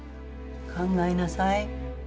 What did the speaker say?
考えなさい。